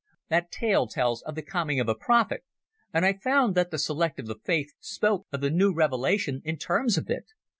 That tale tells of the coming of a prophet, and I found that the select of the faith spoke of the new revelation in terms of it.